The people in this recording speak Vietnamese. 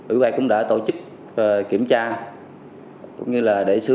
ủy ban cũng đã tổ chức kiểm tra